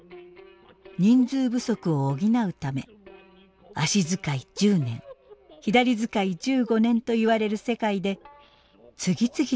人数不足を補うため足遣い１０年左遣い１５年といわれる世界で次々と大役を任されるようになったのです。